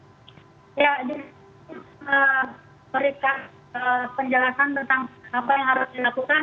ya di sini saya memberikan penjelasan tentang apa yang harus dilakukan